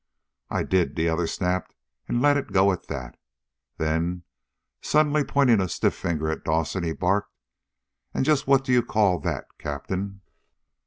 "I did!" the other snapped, and let it go at that. Then, suddenly pointing a stiff finger at Dawson, he barked, "And just what do you call that, Captain?"